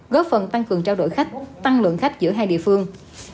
góp phần tăng cường trao đổi khách tăng lượng khách giữa hai địa phương